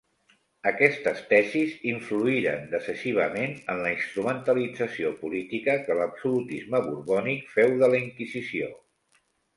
Aquestes tesis influïren decisivament en la instrumentalització política que l'absolutisme borbònic féu de la Inquisició.